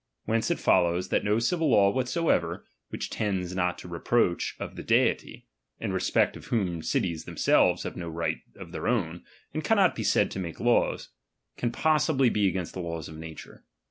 Whence it follows, that no civil law whatsoever, which tends not to a reproach of the Deity, (in respect of whom cities themaelves have no right of their c own, and cannot be said to make taws), can possi bly be against the law of nature.